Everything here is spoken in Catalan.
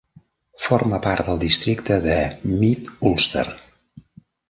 Forma part del districte de Mid-Ulster.